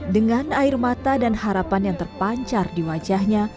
dengan air mata dan harapan yang terpancar di wajahnya